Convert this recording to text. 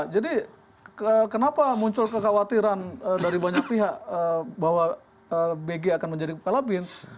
jadi kenapa muncul kekhawatiran dari banyak pihak bahwa bg akan menjadi bukalapin